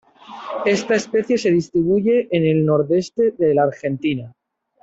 Esta especie se distribuye en el nordeste de la Argentina.